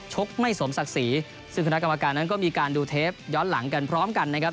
ไม่สมศักดิ์ศรีซึ่งคณะกรรมการนั้นก็มีการดูเทปย้อนหลังกันพร้อมกันนะครับ